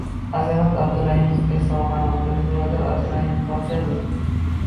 Azamat Abduraimovga sovg‘ani otasi Birodar Abduraimov topshirdi